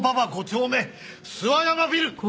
５丁目諏訪山ビル！